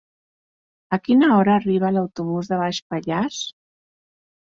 A quina hora arriba l'autobús de Baix Pallars?